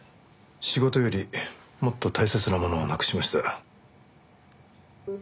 仕事よりもっと大切なものをなくしました。